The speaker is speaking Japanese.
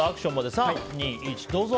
３、２、１、どうぞ！